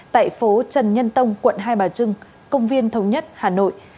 tại phố trần nhân tông quận hai bà trưng công viên thống nhất hà nội